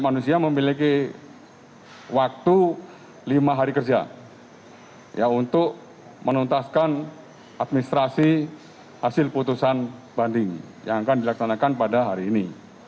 manusia memiliki waktu lima hari kerja untuk menuntaskan administrasi hasil putusan banding yang akan dilaksanakan pada hari ini